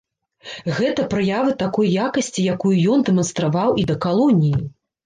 Гэта праявы такой якасці, якую ён дэманстраваў і да калоніі.